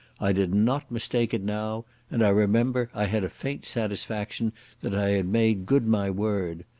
I did not mistake it now, and I remember I had a faint satisfaction that I had made good my word.